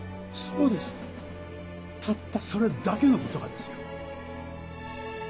そうですたったそれだけのことがです。